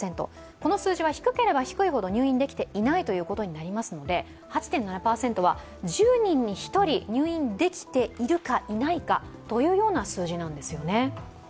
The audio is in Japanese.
この数字は低ければ低いほど入院できていなということになりますので、８．７％は１０人に１人入院できているかいないかという数字なんですね。